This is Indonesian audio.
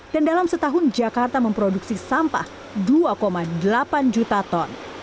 dan dalam setahun jakarta memproduksi sampah dua delapan juta ton